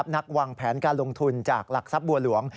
นักวางแผนการลงทุนจากหลักทรัพย์บัวหลวง